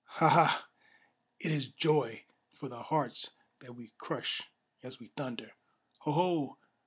Ha! Ha! it is joy for the hearts that we crush as we thunder! Ho! Ho!